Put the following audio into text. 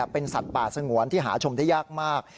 เป็นสัตว์ป่าสงวนที่หาชมได้ยากมาก